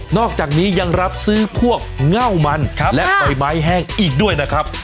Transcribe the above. อกจากนี้ยังรับซื้อพวกเง่ามันและใบไม้แห้งอีกด้วยนะครับ